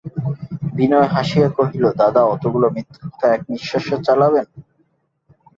বিনয় হাসিয়া কহিল, দাদা, অতগুলো মিথ্যে কথা এক নিশ্বাসে চালাবেন?